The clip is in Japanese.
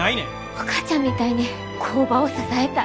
お母ちゃんみたいに工場を支えたい。